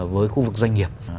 với khu vực doanh nghiệp